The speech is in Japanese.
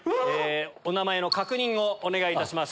お名前の確認をお願いいたします。